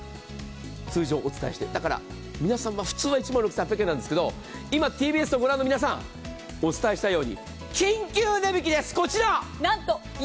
通常お伝えして、だから皆さんは１万９８００円なんですけど、今ＴＢＳをご覧の皆さん、お伝えしたように、緊急値引きです、こちら！